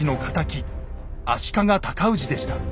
足利尊氏でした。